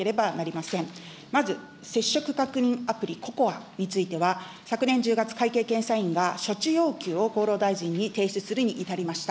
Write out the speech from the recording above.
まず、接触確認アプリ、ＣＯＣＯＡについては、昨年１０月、会計検査院が処置要求を厚労大臣に提出するに至りました。